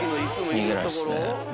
逃げないですね。